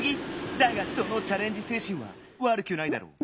だがそのチャレンジせいしんはわるくないだろう。